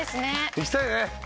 行きたい！